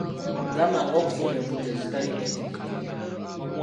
Gamba ng'okufuna embuto ezitali nneetegekere.